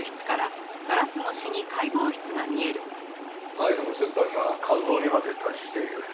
ナイフの先端が肝臓にまで達している。